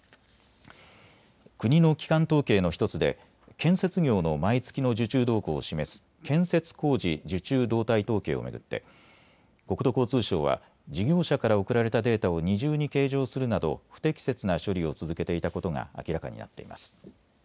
国の基幹統計の１つで建設業の毎月の受注動向を示す建設工事受注動態統計を巡って国土交通省は事業者から送られたデータを二重に計上するなど不適切な処理を続けていたことが明らかになっています。